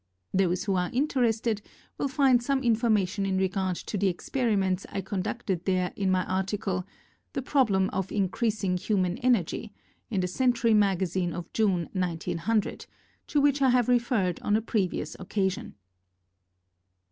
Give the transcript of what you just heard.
Those who are interested will find some information in regard to the experi ments I conducted there in my article, "The Problem of Increasing Human Energy" in the Century Magazine of June, 1900, to which I have referred on a previous occa sion.